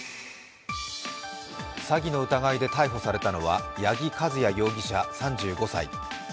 詐欺の疑いで逮捕されたのは矢木和也容疑者３５歳。